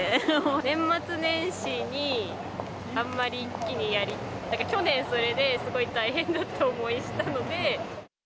年末年始に、あんまり一気にやるのは、去年それですごい大変だと思い知ったので。